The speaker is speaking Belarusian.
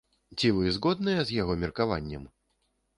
Ці вы згодныя з яго меркаваннем?